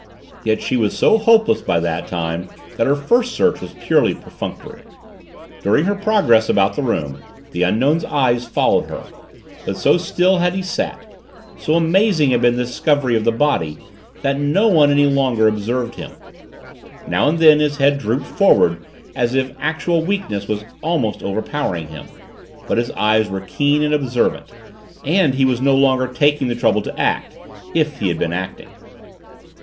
Yet she was so hopeless by that time that her first search was purely perfunctory. During her progress about the room the Unknown's eyes followed her, but so still had he sat, so amazing had been the discovery of the body, that no one any longer observed him. Now and then his head drooped forward as if actual weakness was almost overpowering him, but his eyes were keen and observant, and he was no longer taking the trouble to act if he had been acting.